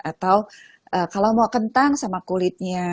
atau kalau mau kentang sama kulitnya